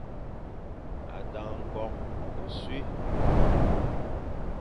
A dang nkok, ochuin.